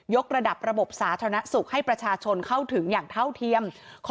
กระดับระบบสาธารณสุขให้ประชาชนเข้าถึงอย่างเท่าเทียม